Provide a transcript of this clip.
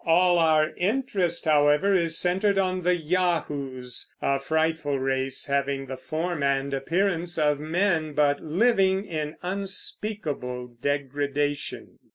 All our interest, however, is centered on the Yahoos, a frightful race, having the form and appearance of men, but living in unspeakable degradation.